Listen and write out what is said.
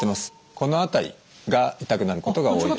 この辺りが痛くなることが多いです。